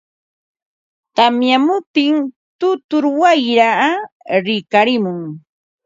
tamyamuptin tutur wayraa rikarimun.